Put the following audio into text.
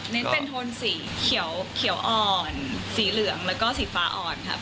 เป็นโทนสีเขียวอ่อนสีเหลืองแล้วก็สีฟ้าอ่อนครับ